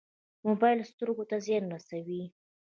موبایل سترګو ته زیان رسوي